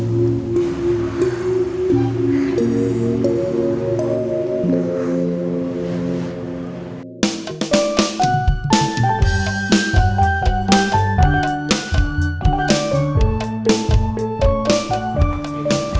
wassalamualaikum waalaikumsalam waalaikumsalam karena uh waalaikumsalam waalaikumsalam waalaikumsalam